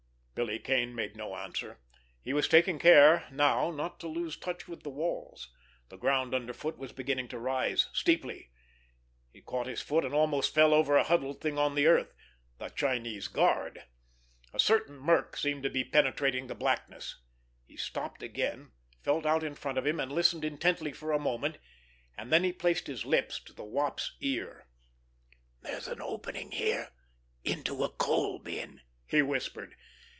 Billy Kane made no answer. He was taking care now not to lose touch with the walls. The ground under foot was beginning to rise steeply. He caught his foot and almost fell over a huddled thing on the earth—the Chinese guard. A certain murk seemed to be penetrating the blackness. He stopped again, felt out in front of him, and listened intently for a moment, and then he placed his lips to the Wop's ear. "There's an opening here into a coal bin," he whispered.